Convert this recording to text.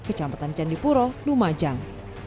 kecamatan candipuro lumajang